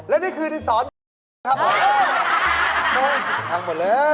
คนจีนดูไม่ออก